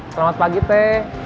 selamat pagi teh